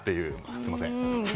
すみません。